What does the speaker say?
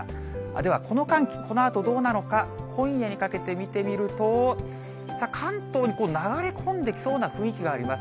では、この寒気、このあとどうなのか、今夜にかけて見てみると、関東に流れ込んできそうな雰囲気があります。